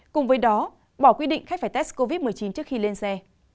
cùng với đó bỏ quy định khách phải test covid một mươi chín trước khi lên xe